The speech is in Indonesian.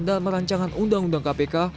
dalam merancangan undang undang kpk